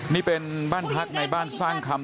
นี่เป็นบ้านพักในบ้านสร้างคำ